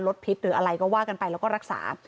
พิษหรืออะไรก็ว่ากันไปแล้วก็รักษา